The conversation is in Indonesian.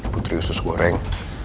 putri usus goreng